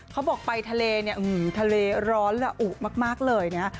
เขาบอกไปทะเลเนี่ยทะเลร้อนละอุมากเลยนะ